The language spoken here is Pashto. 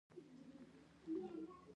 شاعران او اديبان دَيو قام او ټولنې